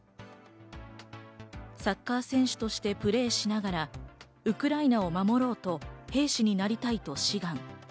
サッカー選手としてプレーしながらウクライナを守ろうと兵士になりたいと志願。